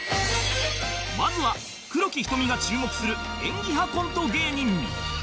まずは黒木瞳が注目する演技派コント芸人